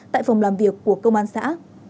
tại phòng làm việc của công an xã